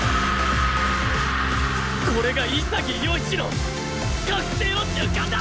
これが潔世一の覚醒の瞬間だ！